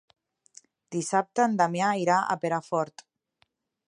Dissabte en Damià irà a Perafort.